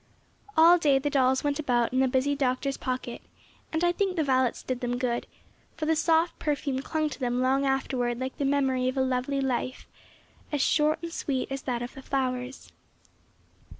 All day the dolls went about in the busy Doctor's pocket, and I think the violets did them good, for the soft perfume clung to them long afterward like the memory of a lovely life, as short and sweet as that of the flowers.